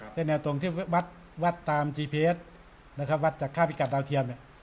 เส้นแนวตรงที่วัดวัดตามจีเพสนะครับวัดจากค่าพิกัดดาวเทียมเนี่ย